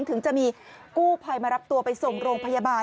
ถึงจะมีกู้ภัยมารับตัวไปส่งโรงพยาบาล